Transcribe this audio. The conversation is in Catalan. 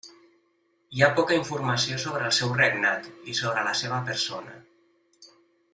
Hi ha poca informació sobre el seu regnat i sobre la seva persona.